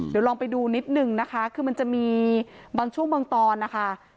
เดี๋ยวลองไปดูนิดนึงนะคะคือมันจะมีบางช่วงบางตอนนะคะ